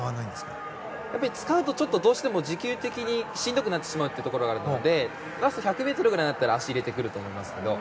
使うとどうしても持久的にしんどくなってしまうところがあるのでラスト１００ｍぐらいになったら足を入れてくると思いますけど。